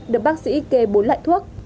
được bác sĩ kê bốn loại thuốc